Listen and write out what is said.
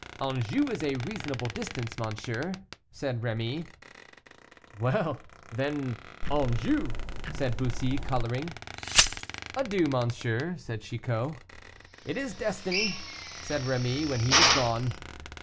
"Anjou is a reasonable distance, monsieur," said Rémy. "Well, then, Anjou," said Bussy, coloring. "Adieu, monsieur!" said Chicot. "It is destiny," said Rémy, when he was gone.